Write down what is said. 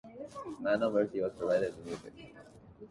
Mano Murthy has provided the music.